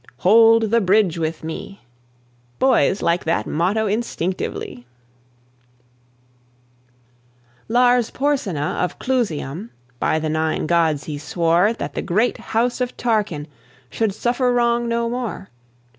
"Hold the bridge with me!" Boys like that motto instinctively. T.B. Macaulay (1800 59). Lars Porsena of Clusium, By the Nine Gods he swore That the great house of Tarquin Should suffer wrong no more.